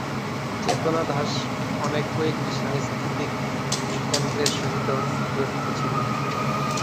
চেতনা দাস অনেক কয়েকটি সাংস্কৃতিক কেন্দ্রের সহিত জড়িত ছিলেন।